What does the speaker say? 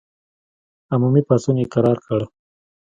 عمومي پاڅون یې کرار کړ.